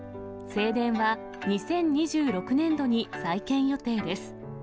正殿は、２０２６年度に再建予定です。